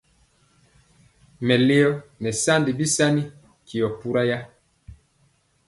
Mɛleo nɛ sani bisani tyio pura ya.